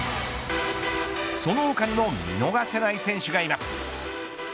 その他にも見逃せない選手がいます。